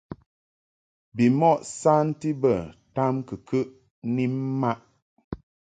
Bimɔʼ nsanti bə tamkɨkəʼ ni mmaʼ.